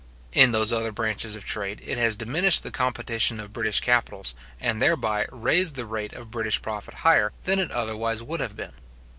In those other branches of trade, it has diminished the competition of British capitals, and thereby raised the rate of British profit higher than it otherwise would have been.